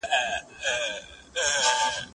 زه به سبا ځواب وليکم؟!؟!